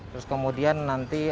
terus kemudian nanti ada